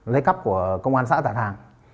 lấy cắp của công an xã tà thàng